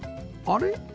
あれ？